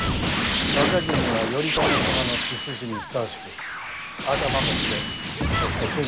若君は頼朝様の血筋にふさわしく頭も切れそして剣の腕も天下無双。